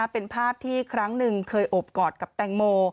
เป็นภาพที่ครั้งหนึ่งเคยโอบกอดกับแตงโม